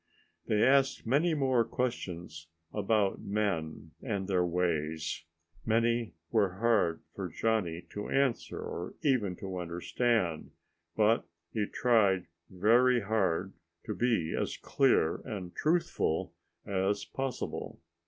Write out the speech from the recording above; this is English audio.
They asked many more questions about men and their ways. Many were hard for Johnny to answer or even to understand, but he tried very hard to be as clear and truthful as possible.